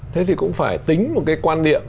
thế thì cũng phải tính một cái quan điểm